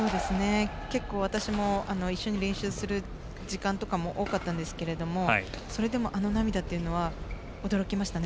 結構、私も一緒に練習する時間も多かったんですけれどもそれでもあの涙というのは驚きましたね。